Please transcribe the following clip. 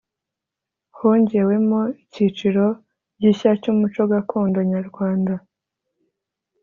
hongewemo icyiciro gishya cy’umuco gakondo nyarwanda